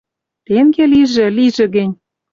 Тенге лижӹ, лижӹ гӹнь!